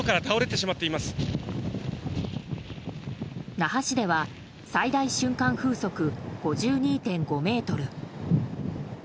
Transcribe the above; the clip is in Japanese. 那覇市では最大瞬間風速５２．５メートル。